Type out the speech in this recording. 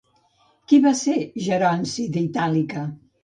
Qui va ser Geronci d'Itàlica?